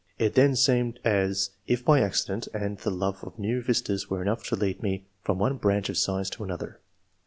It [then] seemed as if any accident and the love of new vistas were enough to lead me from one branch of science to another."